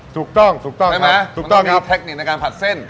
ถูกต้องถูกต้องใช่ไหมถูกต้องมีเทคนิคในการผัดเส้น